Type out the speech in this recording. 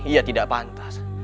ia tidak pantas